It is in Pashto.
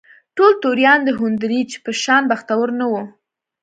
ټول توریان د هونټریج په شان بختور نه وو.